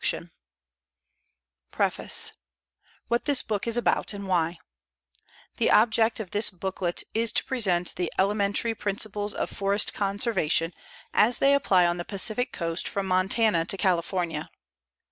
1911 PREFACE WHAT THIS BOOK IS ABOUT AND WHY The object of this booklet is to present the elementary principles of forest conservation as they apply on the Pacific coast from Montana to California.